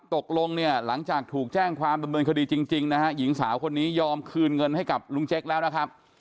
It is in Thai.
ตกลงเนี่ยหลังจากถูกแจ้งความดำเนินคดีจริงนะฮะหญิงสาวคนนี้ยอมคืนเงินให้กับลุงเจ๊กแล้วนะครับ